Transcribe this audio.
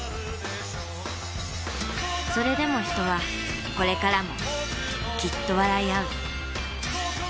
それでも人はこれからもきっと笑いあう。